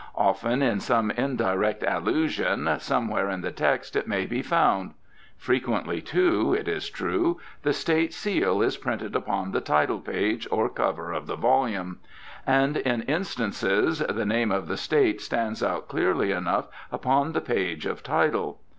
Often, in some indirect allusion, somewhere in the text it may be found. Frequently, too, it is true, the State seal is printed upon the title page or cover of the volume. And in instances the name of the State stands out clearly enough upon the page of title.